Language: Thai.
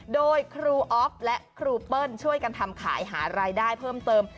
โดยครูออฟและครูเปิ้ลช่วยกันทำขายหารายได้เพิ่มเติม